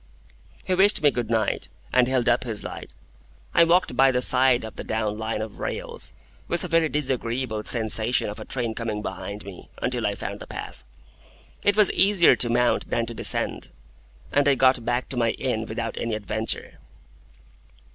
He wished me good night, and held up his light. I walked by the side of the down Line of rails (with a very disagreeable sensation of a train coming behind me) until I found the path. It was easier to mount than to descend, and I got back to my inn without any adventure.